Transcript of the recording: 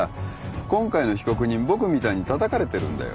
今回の被告人僕みたいにたたかれてるんだよ。